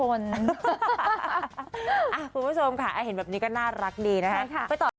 คุณผู้ชมค่ะเห็นแบบนี้ก็น่ารักดีนะคะ